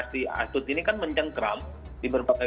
kemudian tuh pinter nowhasa